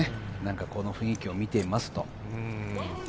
この雰囲気を見ていますと。